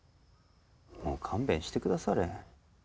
もう勘弁してくだされ。